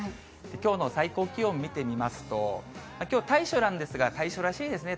きょうの最高気温見てみますと、きょう、大暑なんですが、大暑らしいですね。